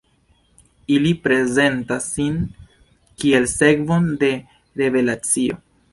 Ili prezentas sin kiel sekvon de revelacio.